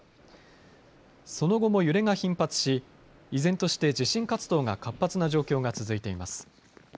その後も揺れが頻発し依然として地震活動が活発な状況が続いています。